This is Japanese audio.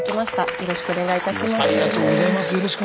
よろしくお願いします。